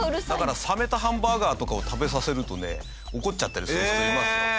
だから冷めたハンバーガーとかを食べさせるとね怒っちゃったりする人いますよ。